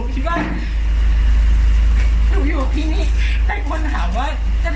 ทำงานครบ๒๐ปีได้เงินชดเฉยเลิกจ้างไม่น้อยกว่า๔๐๐วัน